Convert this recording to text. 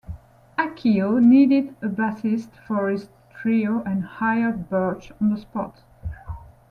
Akio needed a bassist for his trio and hired Birch on the spot.